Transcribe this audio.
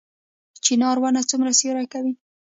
چنار ونه څومره سیوری کوي؟